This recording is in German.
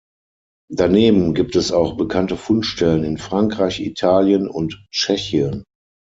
Daneben gibt es auch bekannte Fundstellen in Frankreich, Italien und Tschechien.